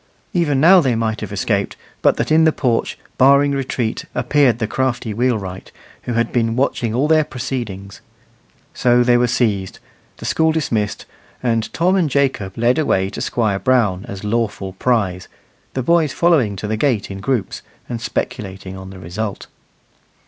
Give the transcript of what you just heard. Even now they might have escaped, but that in the porch, barring retreat, appeared the crafty wheelwright, who had been watching all their proceedings. So they were seized, the school dismissed, and Tom and Jacob led away to Squire Brown as lawful prize, the boys following to the gate in groups, and speculating on the result.